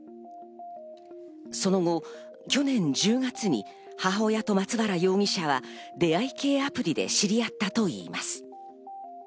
その後、去年１０月に母親と松原容疑者は出会い系アプリで知り合ったといいます。